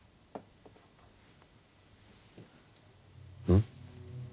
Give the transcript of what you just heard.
うん？